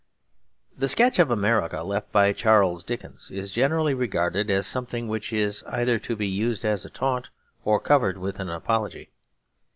The sketch of America left by Charles Dickens is generally regarded as something which is either to be used as a taunt or covered with an apology.